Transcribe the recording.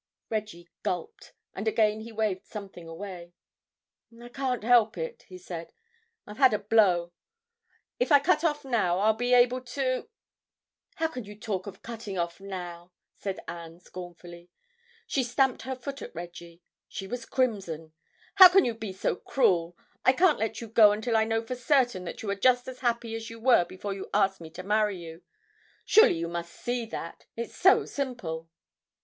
Reggie gulped, and again he waved something away. "I can't help it," he said, "I've had a blow. If I cut off now, I'll be able to—" "How can you talk of cutting off now?" said Anne scornfully. She stamped her foot at Reggie; she was crimson. "How can you be so cruel? I can't let you go until I know for certain that you are just as happy as you were before you asked me to marry you. Surely you must see that, it's so simple."